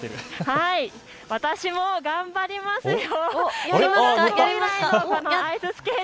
私も頑張りますよ。